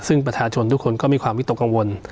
ซึ่งประชาชนทุกคนก็มีความวิตกกังวล